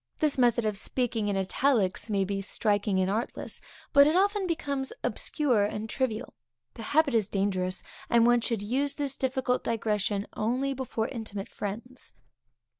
This method of speaking in italics may be striking and artless; but it often becomes obscure and trivial; the habit is dangerous, and one should use this difficult digression only before intimate friends.